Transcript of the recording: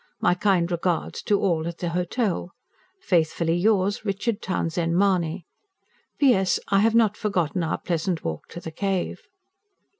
MY KIND REGARDS TO ALL AT THE HOTEL. FAITHFULLY YOURS, RICHARD TOWNSHEND MAHONY. P.S. I HAVE NOT FORGOTTEN OUR PLEASANT WALK TO THE CAVE.